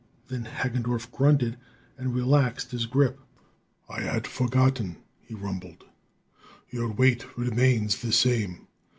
Then Hagendorff grunted and relaxed his grasp. "I had forgotten," he rumbled. "Your weight remains the same.